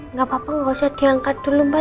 nggak apa apa nggak usah diangkat dulu mbak